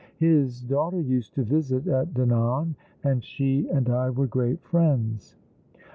His daughter used to visit at Dinan, and she and I were great friends."